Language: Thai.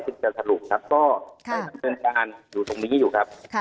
จึงจะสรุปครับและทานการณ์อยู่ตรงนี้อยู่ครับ